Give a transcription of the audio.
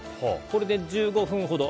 これで１５分ほど。